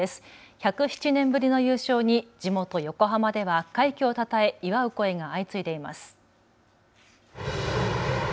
１０７年ぶりの優勝に地元横浜では快挙をたたえ祝う声が相次いでいます。